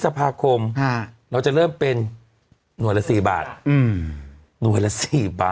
พฤษภาคมฮะเราจะเริ่มเป็นหน่วยละสี่บาทอืมหน่วยละสี่บาท